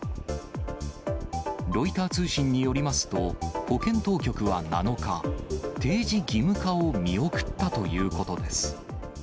ロイター通信によりますと、保健当局は７日、提示義務化を見送ったということです。